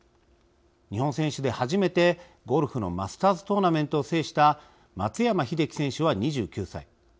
日本選手で初めてゴルフのマスターズ・トーナメントを制した松山英樹選手は２９歳。